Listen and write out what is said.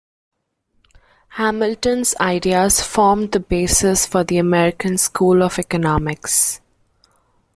Hamilton's ideas formed the basis for the "American School" of economics.